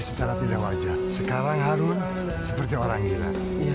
sekarang harus seperti orang gila